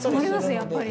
やっぱり。